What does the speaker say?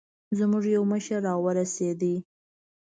زموږ يو مشر راورسېد.